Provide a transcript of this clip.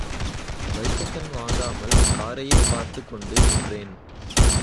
வைத்த கண் வாங்காமல் காரையே பார்த்துக் கொண்டு நின்றேன்.